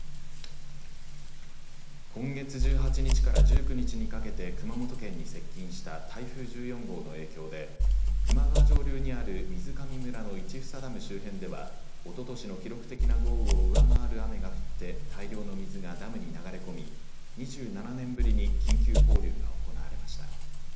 今月１８日から１９日にかけて熊本県に接近した台風１４号の影響で球磨川上流にある水上村の市房ダム周辺ではおととしの記録的な豪雨を上回る雨が降って大量の水がダムに流れ込み２７年ぶりに緊急放流が行われました。